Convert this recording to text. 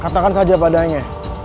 katakan saja padanya